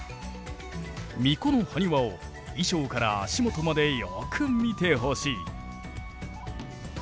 巫女のハニワを衣装から足元までよく見てほしい。